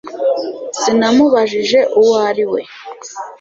sinamubajije uwo ari we